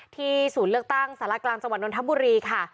ศูนย์เลือกตั้งสารกลางจังหวัดนทบุรีค่ะ